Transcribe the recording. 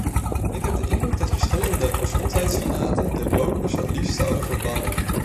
Ik heb de indruk dat verschillende gezondheidsfanaten de rokers het liefst zouden verbannen.